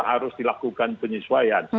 harus dilakukan penyesuaian